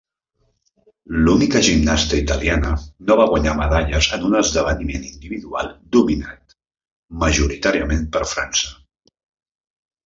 L'única gimnasta italiana no va guanyar medalles en un esdeveniment individual dominat majoritàriament per França.